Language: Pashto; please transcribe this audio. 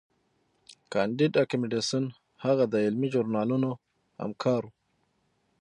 کانديد اکاډميسن هغه د علمي ژورنالونو همکار و.